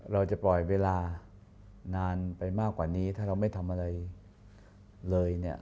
เราจะปล่อยเวลานานไปมากกว่านี้ถ้าเราไม่ทำอะไรเลยเนี่ย